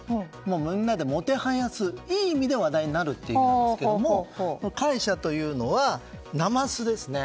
みんなでもてはやすいい意味で話題になるという意味ですが膾炙というのは、なますですね。